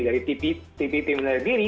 dari tpp menarik diri